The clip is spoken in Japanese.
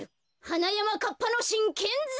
はなやまかっぱのしんけんざん。